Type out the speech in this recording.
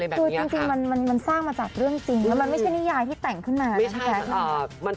ไม่ใช่นิยายที่แต่งขึ้นมา